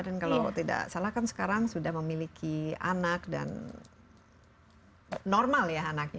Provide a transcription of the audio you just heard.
dan kalau tidak salah kan sekarang sudah memiliki anak dan normal ya anaknya